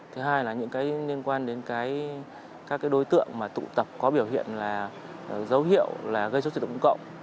thứ hai là những cái liên quan đến cái các cái đối tượng mà tụ tập có biểu hiện là dấu hiệu là gây xuất trị tổng cộng